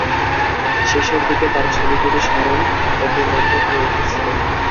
শেষের দিকে তার ছবিগুলি সরল ও বিমূর্ত হয়ে উঠেছিল।